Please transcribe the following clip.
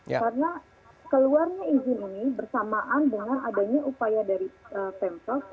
karena keluarnya izin ini bersamaan dengan adanya upaya dari pemsog